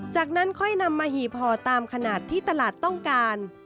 จากนั้นค่อยนำมาหีบห่อตามขนาดที่ตลาดต้องการ